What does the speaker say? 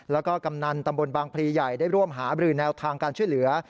แล้วก็กำนันตำบลบางพลีใหญ่ได้ร่วมหาบรือแนวทางการช่วยเหลือ